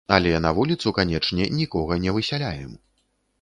Але на вуліцу, канечне, нікога не высяляем.